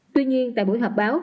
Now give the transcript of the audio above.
tuy nhiên tại buổi họp báo